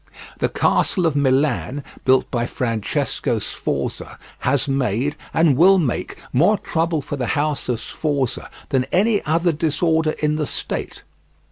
The castle of Milan, built by Francesco Sforza, has made, and will make, more trouble for the house of Sforza than any other disorder in the state.